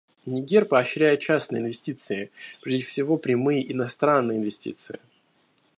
Нигер поощряет частные инвестиции, прежде всего прямые иностранные инвестиции.